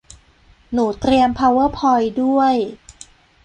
หนูเตรียม พาวเวอร์พอยท์ ด้วย